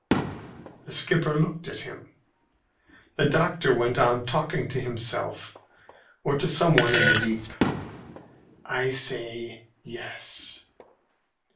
The skipper looked at him. The doctor went on talking to himself, or to some one in the deep, "I say, Yes."